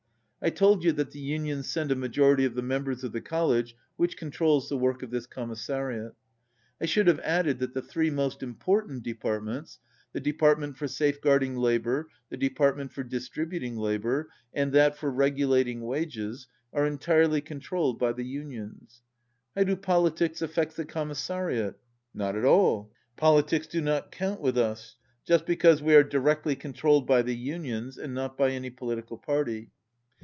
I told you that the unions send a majority of the mem bers of the College which controls the work of this Commissariat. I should have added that the three most important departments — the depart ment for safeguarding labour, the department for distributing labour, and that for regulating wages — are entirely controlled by the Unions." "How do politics affect the Commissariat?" "Not at all. Politics do not count with us, just because we are directly controlled by the Unions, and not by any political party.